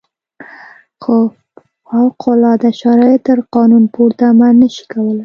خو فوق العاده شرایط تر قانون پورته عمل نه شي کولای.